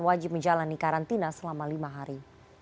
wajib menjalani karantina selama lima hari